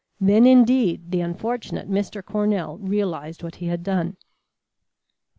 Then indeed, the unfortunate Mr. Cornell realized what he had done.